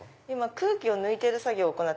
今空気を抜いてる。